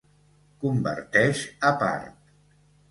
Converteix a part